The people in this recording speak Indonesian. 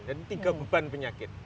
jadi tiga beban penyakit